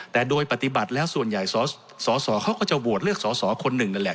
แต่โดยปฏิบัติแล้วส่วนใหญ่สอสอเขาก็จะโหวตเลือกสอสอคนหนึ่งนั่นแหละ